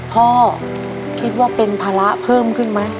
พ่อคิดว่าเป็นภาระเพิ่มขึ้นไหม